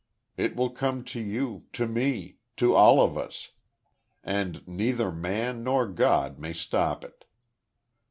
It will come to you to me to all of us. And neither man, nor God may stop it."